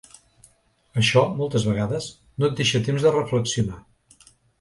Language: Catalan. Això, moltes vegades, no et deixa temps de reflexionar.